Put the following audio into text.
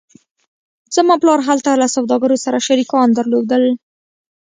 زما پلار هلته له سوداګرو سره شریکان درلودل